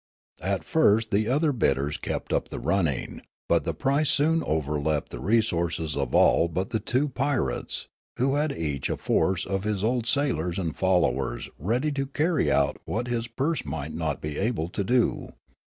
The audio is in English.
At first the other bidders kept up the running; but the price soon overleapt the re sources of all but the two pirates, who had each a force of his old sailors and followers ready to carry out what his purse might not be able to do.